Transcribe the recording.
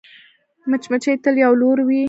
مچمچۍ تل یو لوری لري